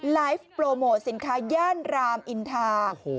ไลฟ์โปรโมทสินค้าย่านรามอินทา